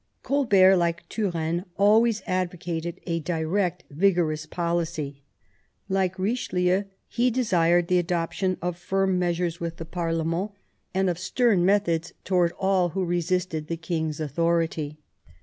Colbert, like Turenne, always advocated a direct, vigorous policy. Like Eichelieu he desired the adoption of firm measures with the parlem&ni^ 174 ilAZAEiy 01 and of sU^m mpthods towards all who resisted the k" authority.